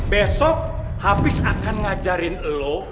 besok habis akan ngajarin lo